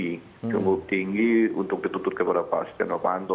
cukup tinggi untuk dituntut kepada pak sidenovanto